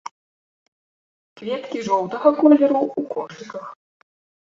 Кветкі жоўтага колеру, у кошыках.